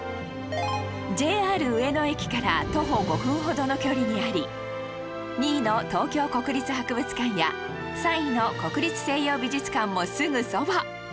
ＪＲ 上野駅から徒歩５分ほどの距離にあり２位の東京国立博物館や３位の国立西洋美術館もすぐそば